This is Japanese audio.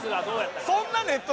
そんなネット